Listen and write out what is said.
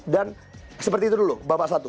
seperti itu dulu bapak satu